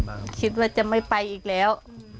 คิดว่าจะไม่ไปอีกแล้ว